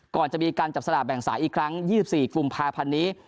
ก่อนจะมีการจับสลากแบ่งสายอีกครั้ง๒๔กุมภาพันธ์นี้